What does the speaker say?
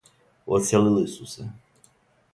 Одселили су се.